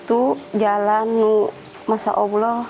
itu jalan masya allah